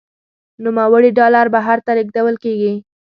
نوموړي ډالر بهر ته لیږدول کیږي.